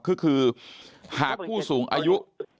ก็คือหากผู้สูงอายุ